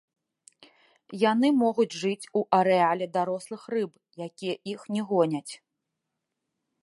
Яны могуць жыць у арэале дарослых рыб, якія іх не гоняць.